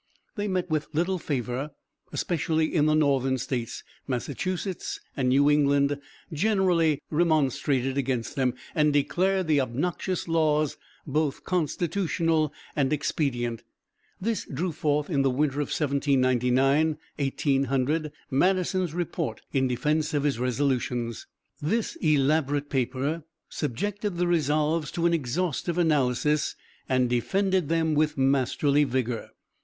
They met with little favor, especially in the Northern States. Massachusetts and New England generally remonstrated against them, and declared the obnoxious laws both constitutional and expedient. This drew forth, in the winter of 1799 1800, Madison's "Report" in defence of his resolutions. This elaborate paper subjected the resolves to an exhaustive analysis and defended them with masterly vigor.